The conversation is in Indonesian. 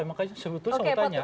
emang kayaknya seru terus mau tanya